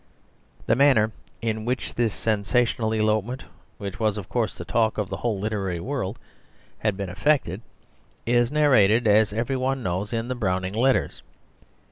The manner in which this sensational elopement, which was, of course, the talk of the whole literary world, had been effected, is narrated, as every one knows, in the Browning Letters.